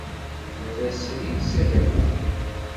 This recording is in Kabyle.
Nerra srid s agafa.